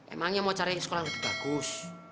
emangnya mau cari sekolah lebih bagus